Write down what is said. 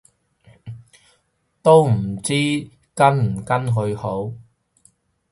都唔知跟唔跟去好